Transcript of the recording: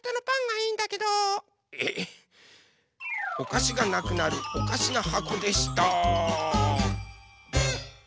おかしがなくなるおかしなはこでした！